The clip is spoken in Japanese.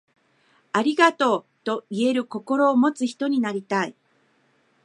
ありがとう、と言える心を持つ人になりたい。